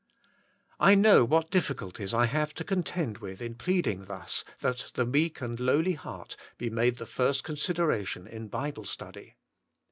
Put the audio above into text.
I know what difficulties I have to contend with in pleading thus that the meek and lowly heart be made the first consideration in Bible study.